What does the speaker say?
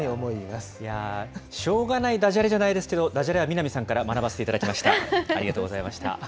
いや、しょうがないダジャレじゃないですけど、ダジャレは南さんから学ばせていただきました。